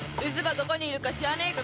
どこにいるか知らねえか？